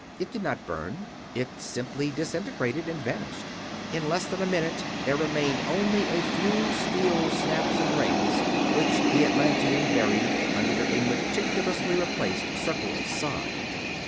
It did not burn; it simply disintegrated and vanished. In less than a minute there remained only a few steel snaps and rings, which the Atlantean buried under a meticulously replaced circle of sod.